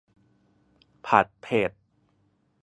ผัดเผ็ด